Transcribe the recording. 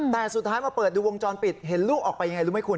แต่สุดท้ายมาเปิดดูวงจรปิดเห็นลูกออกไปยังไงรู้ไหมคุณ